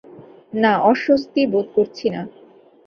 না, অস্বস্তি বোধ করছি না।